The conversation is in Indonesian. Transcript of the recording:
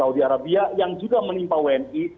saudi arabia yang juga menimpa wni